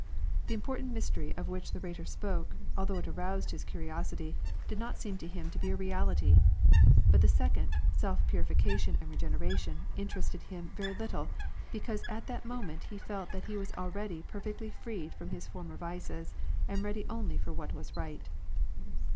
The important mystery of which the Rhetor spoke, although it aroused his curiosity, did not seem to him to be a reality ; but the second, self purification and regeneration, interested him very little, because at that moment he felt that he was already perfectly freed from his former vices, and ready only for what was right.